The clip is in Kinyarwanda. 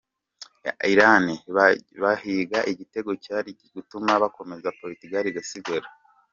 Iran bahiga igitego cyari gutuma bakomeza Portugal igasigara .